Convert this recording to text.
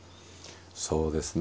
そうですね